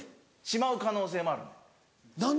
しまう可能性もあるから。